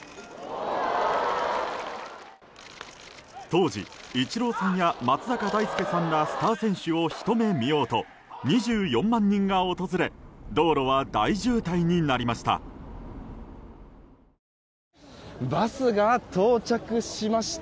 当時、イチローさんや松坂大輔さんらスター選手をひと目見ようと２４万人が訪れ道路は大渋滞になりました。